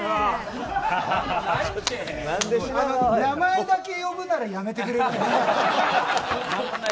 名前だけ呼ぶならやめてくれる？